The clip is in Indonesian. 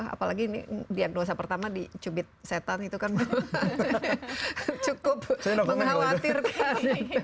apalagi ini diagnosa pertama dicubit setan itu kan cukup mengkhawatirkan